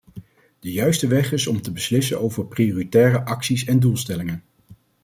De juiste weg is om te beslissen over prioritaire acties en doelstellingen.